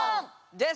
です。